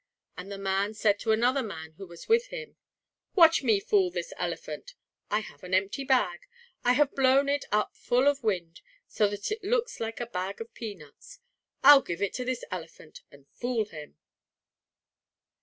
And the man said to another man who was with him: "Watch me fool this elephant. I have an empty bag. I have blown it up full of wind, so that it looks like a bag of peanuts. I'll give it to this elephant and fool him."